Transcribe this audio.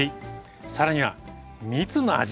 更には蜜の味。